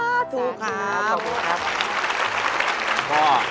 ขอบคุณครับ